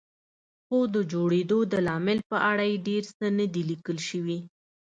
خو د جوړېدو د لامل په اړه یې ډېر څه نه دي لیکل شوي.